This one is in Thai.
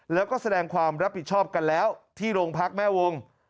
แล้วก็แสดงความรับผิดชอบกันแล้วที่โรงพักแม่วง